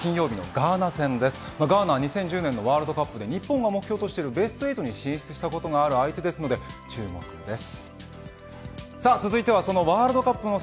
ガーナは２０１０年のワールドカップで日本が目標としてるベスト８に進出したことがある相手なので注目です。